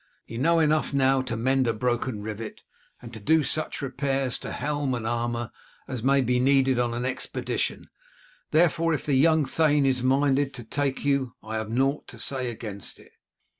You know enough now to mend a broken rivet and to do such repairs to helm and armour as may be needed on an expedition; therefore, if the young thane is minded to take you I have naught to say against it."